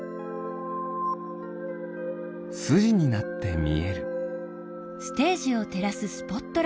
すじになってみえる。